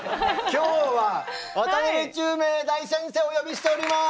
今日は渡辺宙明大先生をお呼びしております！